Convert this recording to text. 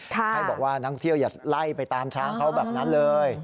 ให้บอกว่านักเที่ยวอย่าไล่ไปตามช้างเขาแบบนั้นเลย